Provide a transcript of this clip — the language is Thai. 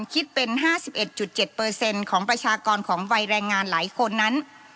คิดเป็น๕๑๗ของประชากรของวัยแรงงานหลายคนนั้น